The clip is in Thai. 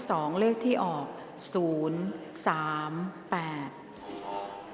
ออกรางวัลเลขหน้า๓ตัวครั้งที่๒